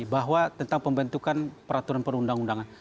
bahwa tentang pembentukan peraturan perundang undangan